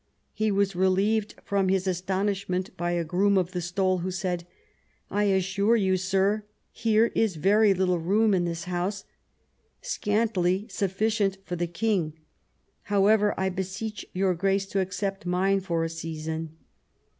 He was relieved from his astonishment by a groom of the stole, who said, "I assure you, sir, here is very little room in this house, scantly sufficient for the king. However, I beseech your grace to accept mine for a season."